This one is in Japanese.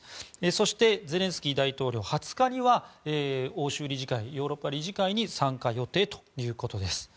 そして、ゼレンスキー大統領は２０日には欧州理事会、ヨーロッパ理事会に参加予定ということです。